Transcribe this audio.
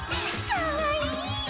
かわいい！